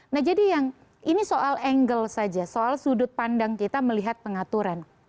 nah jadi yang ini soal angle saja soal sudut pandang kita melihat pengaturan